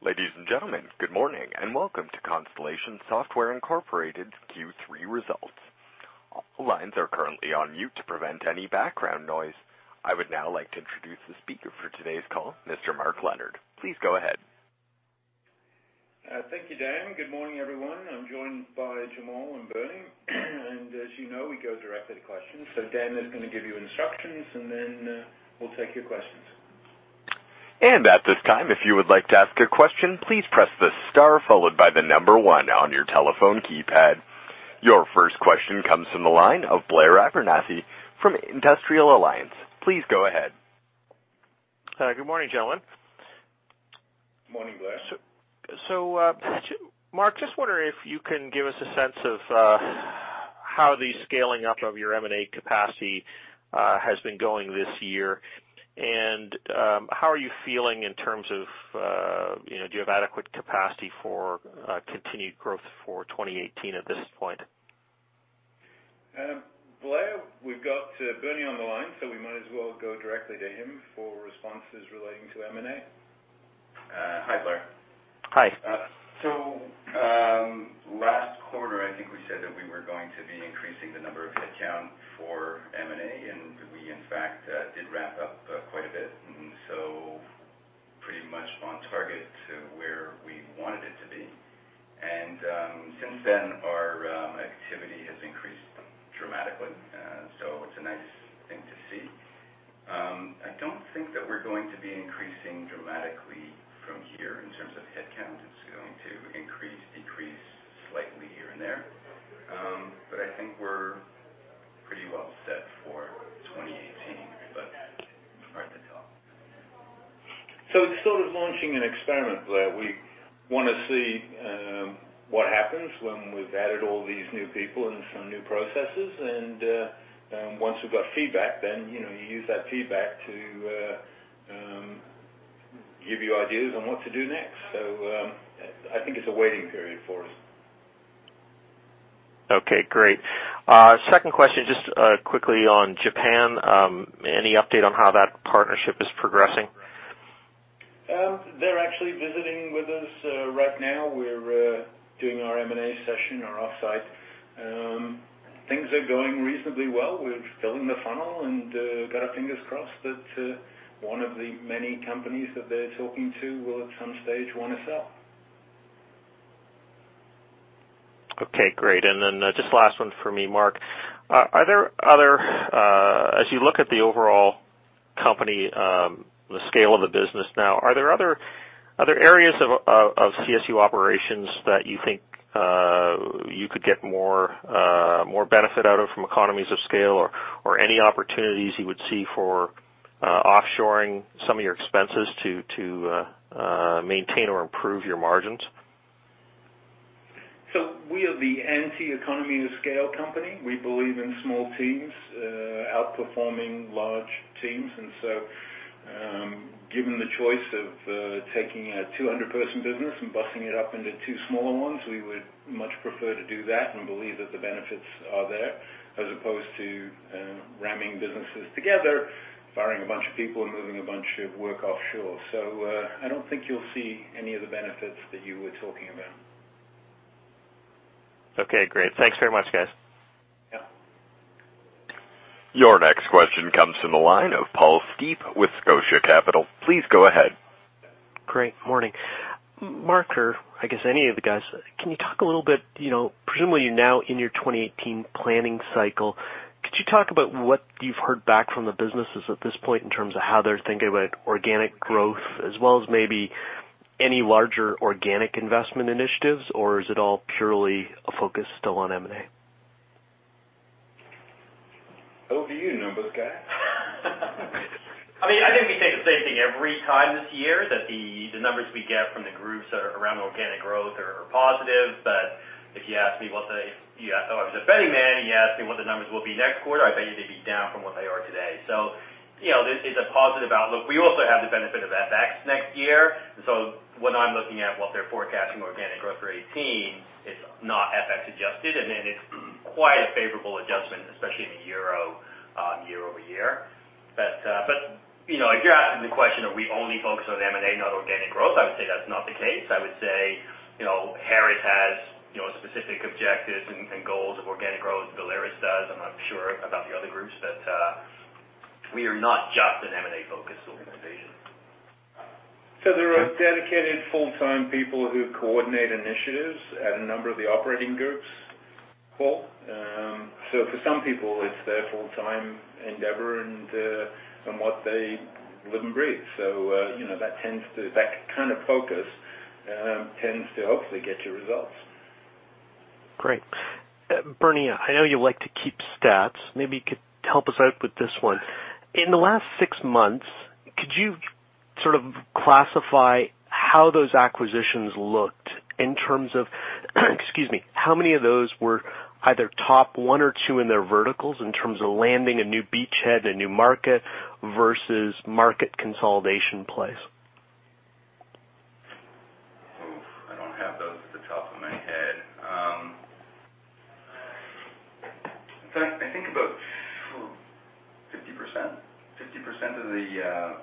Ladies and gentlemen, good morning, and welcome to Constellation Software Incorporated's Q3 results. All lines are currently on mute to prevent any background noise. I would now like to introduce the speaker for today's call, Mr. Mark Leonard. Please go ahead. Thank you, Dan. Good morning, everyone. I'm joined by Jamal and Bernie. As you know, we go directly to questions. Dan is gonna give you instructions, then we'll take your questions. At this time, if you would like to ask a question, please press the star followed by the number one on your telephone keypad. Your first question comes from the line of Blair Abernethy from Industrial Alliance. Please go ahead. Good morning, gentlemen. Morning, Blair. Mark, just wondering if you can give us a sense of how the scaling up of your M&A capacity has been going this year. How are you feeling in terms of, you know, do you have adequate capacity for continued growth for 2018 at this point? Blair, we've got Bernie on the line, so we might as well go directly to him for responses relating to M&A. Hi, Blair. Hi. Last quarter, I think we said that we were going to be increasing the number of headcount for M&A. We, in fact, did ramp up quite a bit, pretty much on target to where we wanted it to be. Since then, our activity has increased dramatically. It's a nice thing to see. I don't think that we're going to be increasing dramatically from here in terms of headcount. It's going to increase, decrease slightly here and there. I think we're pretty well set for 2018, right at the top. It's sort of launching an experiment, Blair. We wanna see what happens when we've added all these new people and some new processes. Once we've got feedback, then, you know, you use that feedback to give you ideas on what to do next. I think it's a waiting period for us. Okay, great. Second question, just quickly on Japan, any update on how that partnership is progressing? They're actually visiting with us right now. We're doing our M&A session, our offsite. Things are going reasonably well. We're filling the funnel and got our fingers crossed that one of the many companies that they're talking to will at some stage wanna sell. Okay, great. Then just last one for me, Mark. As you look at the overall company, the scale of the business now, are there other areas of CSU operations that you think you could get more benefit out of from economies of scale or any opportunities you would see for offshoring some of your expenses to maintain or improve your margins? We are the anti-economy of scale company. We believe in small teams, outperforming large teams. Given the choice of taking a 200-person business and busting it up into two smaller ones, we would much prefer to do that and believe that the benefits are there, as opposed to ramming businesses together, firing a bunch of people, and moving a bunch of work offshore. I don't think you'll see any of the benefits that you were talking about. Okay, great. Thanks very much, guys. Yeah. Your next question comes from the line of Paul Steep with Scotia Capital. Please go ahead. Great. Morning. Mark, or I guess any of the guys, can you talk a little bit, you know, presumably, you're now in your 2018 planning cycle. Could you talk about what you've heard back from the businesses at this point in terms of how they're thinking about organic growth, as well as maybe any larger organic investment initiatives, or is it all purely a focus still on M&A? Over to you, numbers guy. I mean, I think we say the same thing every time this year, that the numbers we get from the groups around organic growth are positive. If you ask me what the numbers will be next quarter, I bet you they'd be down from what they are today. You know, this is a positive outlook. We also have the benefit of FX next year. When I'm looking at what they're forecasting organic growth for 2018, it's not FX adjusted, and then it's quite a favorable adjustment, especially in the euro year over year. You know, if you're asking the question, are we only focused on M&A, not organic growth, I would say that's not the case. I would say, you know, Harris has, you know, specific objectives and goals of organic growth, and Volaris does. I'm not sure about the other groups, but we are not just an M&A-focused organization. There are dedicated full-time people who coordinate initiatives at a number of the operating groups, Paul. For some people, it's their full-time endeavor, and somewhat they live and breathe. You know, that kind of focus tends to hopefully get you results. Great. Bernie, I know you like to keep stats. Maybe you could help us out with this one. In the last six months, could you sort of classify how those acquisitions looked in terms of, excuse me, how many of those were either top one or two in their verticals in terms of landing a new beachhead, a new market, versus market consolidation plays? Oof, I don't have those at the top of my head. In fact, I think about 50%. 50% of the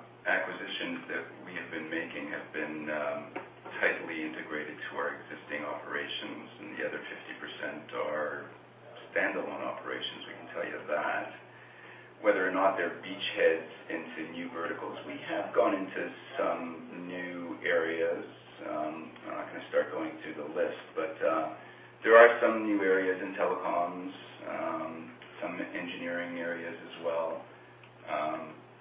acquisitions that we have been making have been tightly integrated to our existing operations, and the other 50% are standalone operations, we can tell you that. Whether or not they're beachheads into new verticals, we have gone into some new areas. I'm not gonna start going through the list, but there are some new areas in telecoms, some engineering areas as well,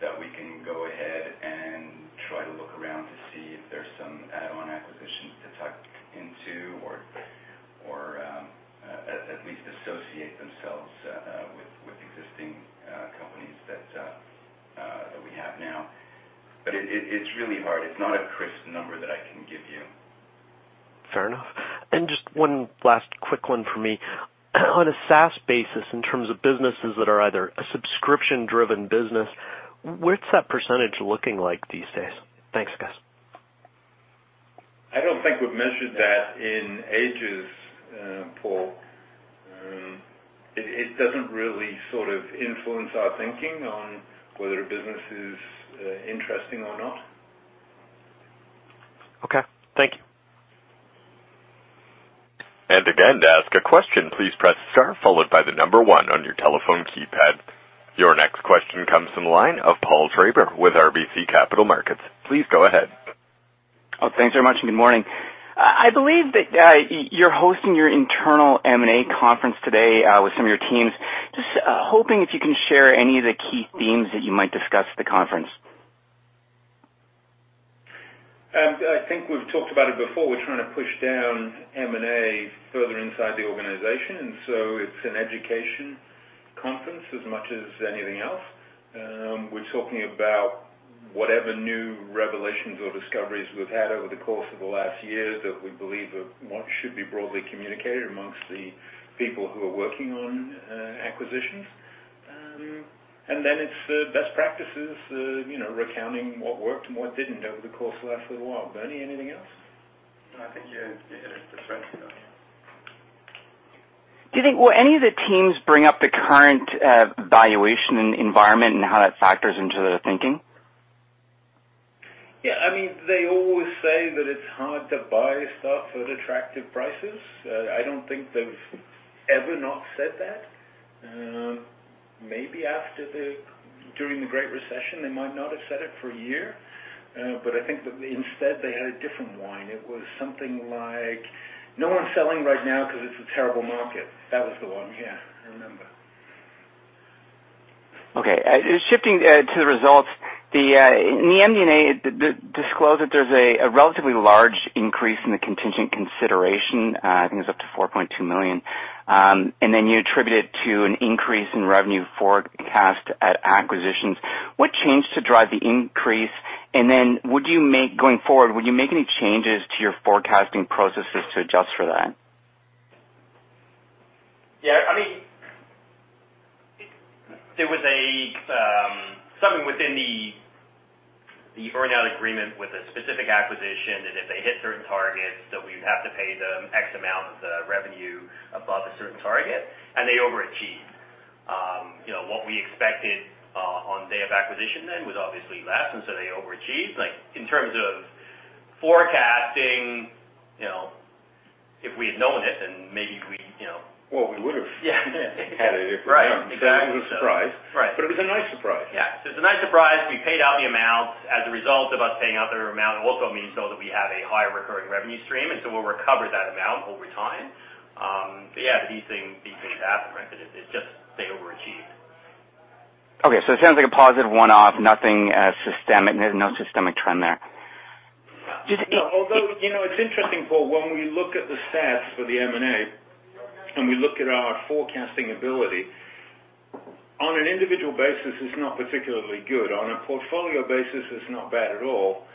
that we can go ahead and try to look around to see if there's some add-on acquisitions to tuck into or at least associate themselves with existing companies that we have now. It's really hard. It's not a crisp number that I can give you. Fair enough. Just one last quick one for me. On a SaaS basis, in terms of businesses that are either a subscription-driven business, what's that percentage looking like these days? Thanks, guys. I don't think we've measured that in ages, Paul. It doesn't really sort of influence our thinking on whether a business is interesting or not. Okay. Thank you. Again, to ask a question, please press star followed by one on your telephone keypad. Your next question comes from the line of Paul Treiber with RBC Capital Markets. Please go ahead. Oh, thanks very much, and good morning. I believe that you're hosting your internal M&A conference today with some of your teams. Just hoping if you can share any of the key themes that you might discuss at the conference. I think we've talked about it before. We're trying to push down M&A further inside the organization. It's an education conference as much as anything else. We're talking about whatever new revelations or discoveries we've had over the course of the last year that we believe should be broadly communicated amongst the people who are working on acquisitions. It's best practices, you know, recounting what worked and what didn't over the course of the last little while. Bernie, anything else? No, I think you hit it precisely. Do you think, will any of the teams bring up the current valuation environment and how that factors into their thinking? Yeah, I mean, they always say that it's hard to buy stuff at attractive prices. I don't think they've ever not said that. Maybe during the Great Recession, they might not have said it for a year. I think that instead, they had a different line. It was something like, "No one's selling right now because it's a terrible market." That was the one. Yeah, I remember. Okay. Shifting to the results, the MD&A discloses that there's a relatively large increase in the contingent consideration. I think it's up to 4.2 million. You attribute it to an increase in revenue forecast at acquisitions. What changed to drive the increase? Going forward, would you make any changes to your forecasting processes to adjust for that? Yeah, I mean, it was something within the earn-out agreement with a specific acquisition, and if they hit certain targets, we'd have to pay them X amount of the revenue above a certain target. They overachieved. You know, what we expected on the day of acquisition then was obviously less. They overachieved. Like, in terms of forecasting, you know, if we had known it, then maybe we, you know- Well, we would have- Yeah. Had it if we'd known. Right, exactly so. It was a surprise. Right. It was a nice surprise. Yeah. It's a nice surprise. We paid out the amount. As a result of us paying out their amount, it also means, though, that we have a higher recurring revenue stream, we'll recover that amount over time. Yeah, these things happen, right? It just, they overachieved. Okay, it sounds like a positive one-off, nothing systemic, there's no systemic trend there. Although, you know, it's interesting, Paul. When we look at the stats for the M&A, and we look at our forecasting ability, on an individual basis, it's not particularly good. On a portfolio basis, it's not bad at all.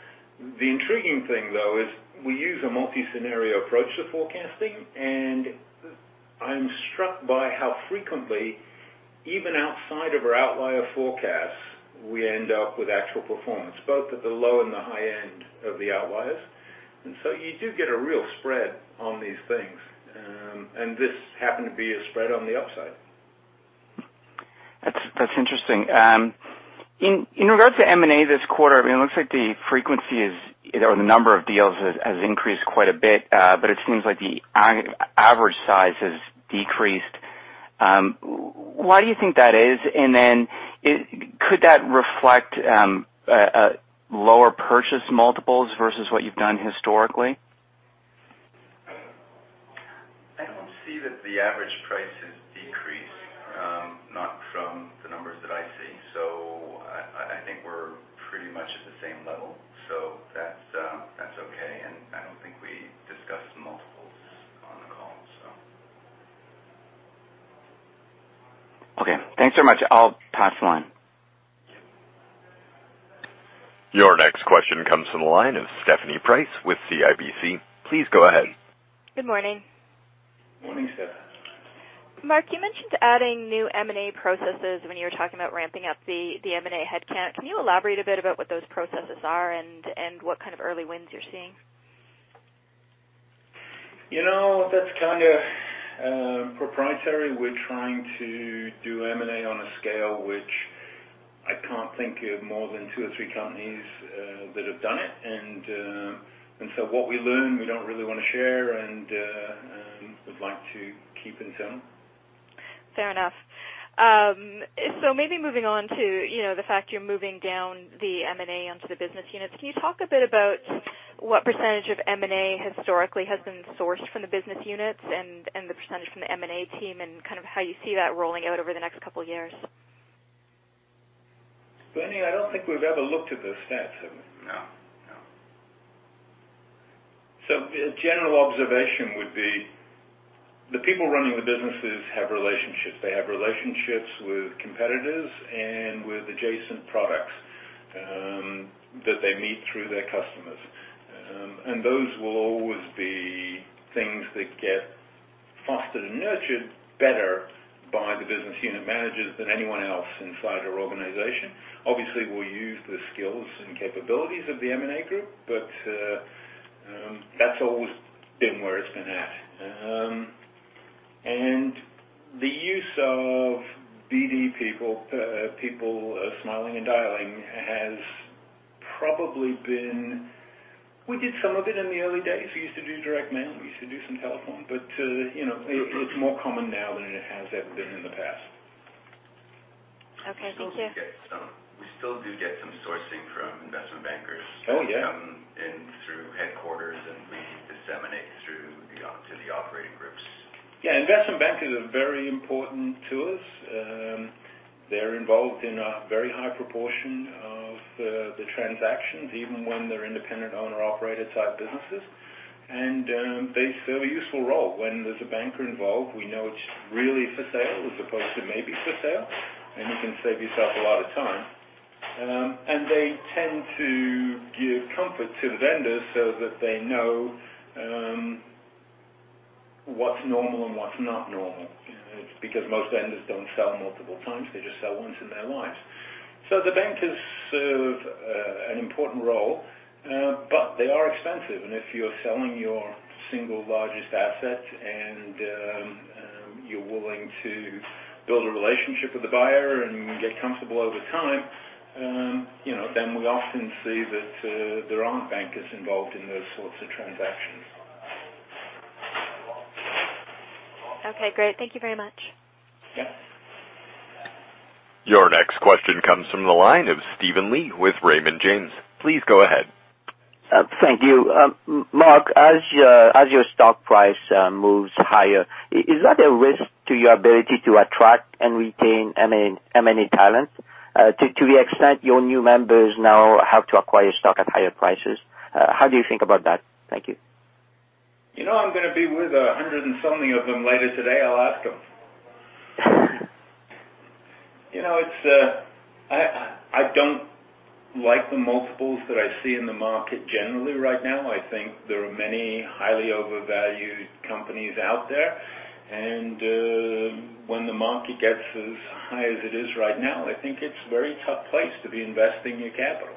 The intriguing thing, though, is we use a multi-scenario approach to forecasting, and I'm struck by how frequently, even outside of our outlier forecasts, we end up with actual performance, both at the low and the high end of the outliers. So you do get a real spread on these things. This happened to be a spread on the upside. That's interesting. In regard to M&A this quarter, I mean, it looks like the frequency, or the number of deals, has increased quite a bit. But it seems like the average size has decreased. Why do you think that is? Could that reflect a lower purchase multiple versus what you've done historically? I don't see that the average price has decreased, not from the numbers that I see. I think we're pretty much at the same level. That's okay, and I don't think we discussed multiples on the call. Okay. Thanks very much. I'll pass the line. Your next question comes from the line of Stephanie Price with CIBC. Please go ahead. Good morning. Morning, Steph. Mark, you mentioned adding new M&A processes when you were talking about ramping up the M&A headcount. Can you elaborate a bit about what those processes are and what kind of early wins you're seeing? You know, that's kinda proprietary. We're trying to do M&A on a scale which I can't think of more than two or three companies that have done it. So what we learn, we don't really wanna share and would like to keep internal. Fair enough. Maybe moving on to, you know, the fact that you're moving down the M&A onto the business units. Can you talk a bit about what percentage of M&A historically has been sourced from the business units and the percentage from the M&A team, and kind of how you see that rolling out over the next couple of years? Bernie, I don't think we've ever looked at those stats, have we? No. No. A general observation would be that the people running the businesses have relationships. They have relationships with competitors and with adjacent products that they meet through their customers. Those will always be things that get fostered and nurtured better by the business unit managers than anyone else inside our organization. Obviously, we'll use the skills and capabilities of the M&A group, but that's always been where it's been at. The use of BD people smiling and dialing. We did some of it in the early days. We used to do direct mail. We used to do some telephone. You know, it's more common now than it has ever been in the past. Okay. Thank you. We still do get some sourcing from investment banks. Oh, yeah. And through headquarters, we disseminate them to the operating groups. Yeah. Investment bankers are very important to us. They're involved in a very high proportion of the transactions, even when they're independent owner-operator type businesses. They serve a useful role. When there's a banker involved, we know it's really for sale as opposed to maybe for sale, and you can save yourself a lot of time. They tend to give comfort to the vendors so that they know what's normal and what's not normal. Because most vendors don't sell multiple times. They just sell once in their lives. The bankers serve an important role, but they are expensive. If you're selling your single largest asset and you're willing to build a relationship with the buyer and get comfortable over time, you know, then we often see that there aren't bankers involved in those sorts of transactions. Okay, great. Thank you very much. Yeah. Your next question comes from the line of Steven Li with Raymond James. Please go ahead. Thank you. Mark, as your stock price moves higher, is that a risk to your ability to attract and retain M&A talent, to the extent your new members now have to acquire stock at higher prices? How do you think about that? Thank you. You know, I'm gonna be with 100 and something of them later today. I'll ask them. You know, it's I don't like the multiples that I see in the market generally right now. I think there are many highly overvalued companies out there. When the market gets as high as it is right now, I think it's a very tough place to be investing your capital.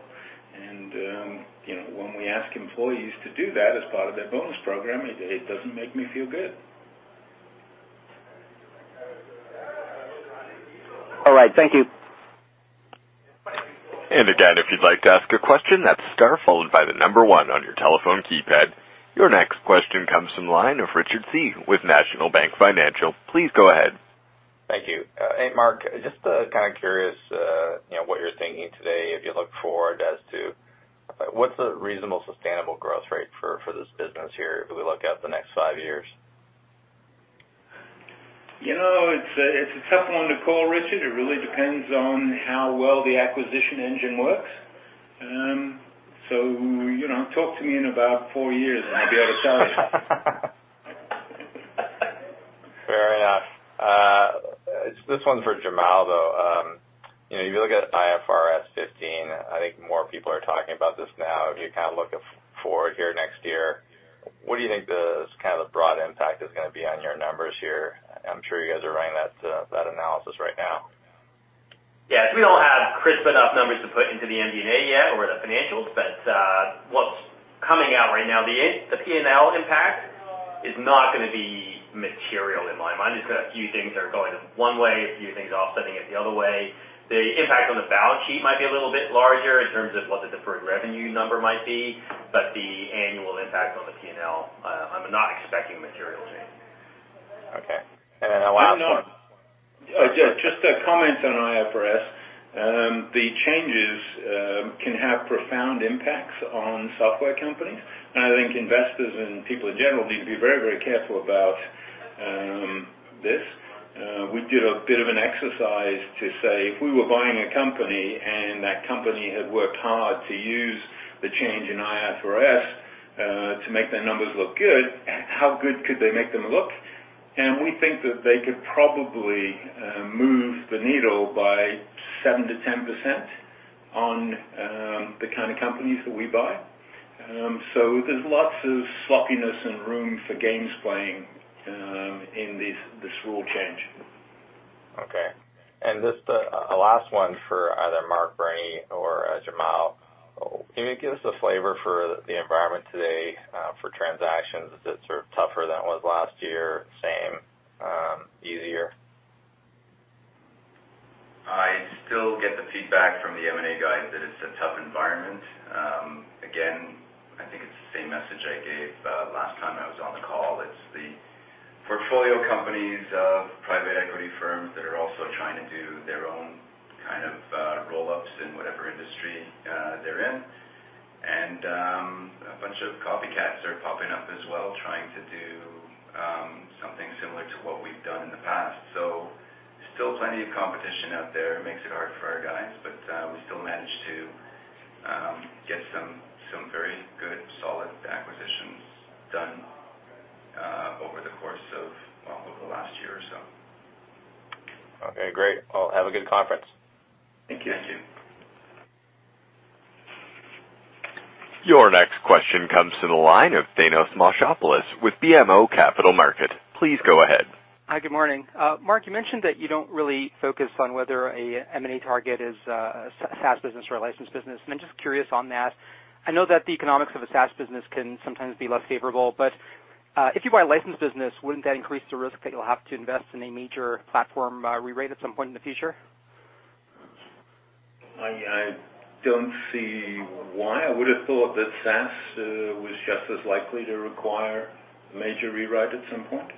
You know, when we ask employees to do that as part of their bonus program, it doesn't make me feel good. All right. Thank you. Again, if you'd like to ask a question, that's star followed by the number one on your telephone keypad. Your next question comes from the line of Richard Tse with National Bank Financial. Please go ahead. Thank you. Hey, Mark. Just kind of curious, you know, what you're thinking today, if you look forward to what's the reasonable sustainable growth rate for this business here if we look at the next five years? You know, it's a tough one to call, Richard. It really depends on how well the acquisition engine works. You know, talk to me in about four years, and I'll be able to tell you. Fair enough. This one's for Jamal, though. You know, you look at IFRS 15, I think more people are talking about this now. If you kind of look forward here next year, what do you think the kind of the broad impact is gonna be on your numbers here? I'm sure you guys are running that analysis right now. Yes. We don't have crisp enough numbers to put into the MD&A yet or the financials. What's coming out right now, the P&L impact is not gonna be material in my mind. It's got a few things that are going one way, a few things offsetting it the other way. The impact on the balance sheet might be a little bit larger in terms of what the deferred revenue number might be. The annual impact on the P&L, I'm not expecting a material change. Okay. Then a last one- Yeah, just a comment on IFRS. The changes can have profound impacts on software companies. I think investors and people in general need to be very, very careful about this. We did a bit of an exercise to say if we were buying a company and that company had worked hard to use the change in IFRS to make their numbers look good, how good could they make them look? We think that they could probably move the needle by 7%-10% on the kind of companies that we buy. There's lots of sloppiness and room for games playing in this rule change. Just a last one for either Mark, Bernie, or Jamal. Can you give us a flavor for the environment today for transactions? Is it sort of tougher than it was last year? Same, easier? I still get feedback from the M&A guys that it's a tough environment. Again, I think it's the same message I gave last time I was on the call. It's the portfolio companies of private equity firms that are also trying to do their own kind of roll-ups in whatever industry they're in. A bunch of copycats is popping up as well, trying to do something similar to what we've done in the past. Still plenty of competition out there. It makes it hard for our guys, but we still managed to get some very good, solid acquisitions done over the course of, well, over the last year or so. Okay, great. Well, have a good conference. Thank you. Thank you. Your next question comes from the line of Thanos Moschopoulos with BMO Capital Markets. Please go ahead. Hi, good morning. Mark, you mentioned that you don't really focus on whether a M&A target is a SaaS business or a licensed business. I'm just curious on that. I know that the economics of a SaaS business can sometimes be less favorable, but if you buy a licensed business, wouldn't that increase the risk that you'll have to invest in a major platform rewrite at some point in the future? I don't see why. I would've thought that SaaS was just as likely to require a major rewrite at some point.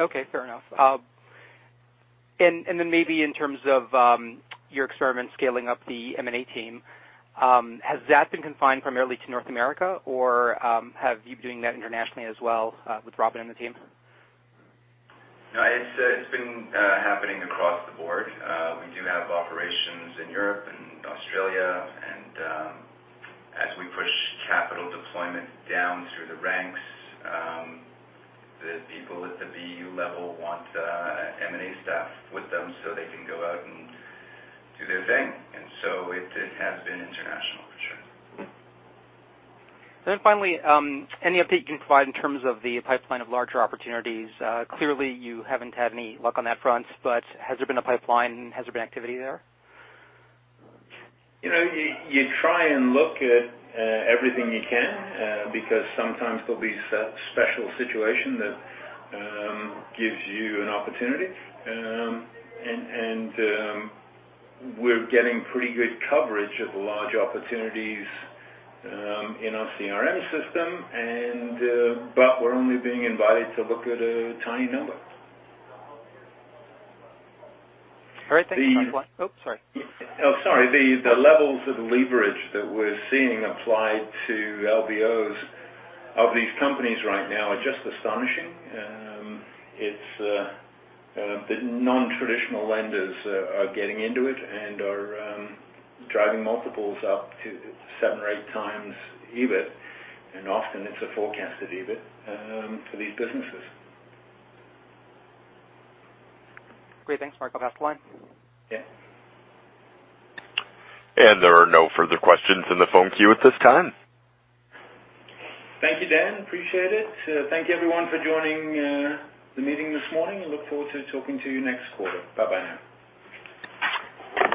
Okay. Fair enough. Then maybe in terms of your experiment scaling up the M&A team, has that been confined primarily to North America, or have you been doing that internationally as well with Robin and the team? No, it's been happening across the board. We do have operations in Europe and Australia, and as we push capital deployment down through the ranks, the people at the BU level want M&A staff with them so they can go out and do their thing. It has been international for sure. Finally, any update you can provide in terms of the pipeline of larger opportunities? Clearly, you haven't had any luck on that front. Has there been a pipeline? Has there been activity there? You know, you try and look at everything you can, because sometimes there'll be a special situation that gives you an opportunity. And we're getting pretty good coverage of large opportunities in our CRM system, but we're only being invited to look at a tiny number. All right. Thank you. The- Oops, sorry. Oh, sorry. The levels of leverage that we're seeing applied to LBOs of these companies right now are just astonishing. The non-traditional lenders are getting into it and are driving multiples up to 7x or 8x EBIT, and often it's a forecasted EBIT for these businesses. Great. Thanks, Mark. I'll pass the line. Yeah. There are no further questions in the phone queue at this time. Thank you, Dan. Appreciate it. Thank you, everyone, for joining the meeting this morning, and look forward to talking to you next quarter. Bye-bye now.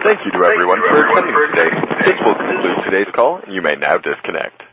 Thank you to everyone for attending today. This will conclude today's call, and you may now disconnect.